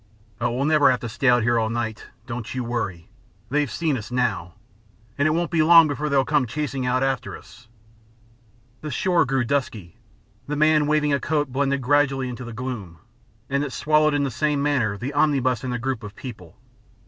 "Oh, we'll never have to stay here all night! Don't you worry. They've seen us now, and it won't be long before they'll come chasing out after us." The shore grew dusky. The man waving a coat blended gradually into this gloom, and it swallowed in the same manner the omnibus and the group of people.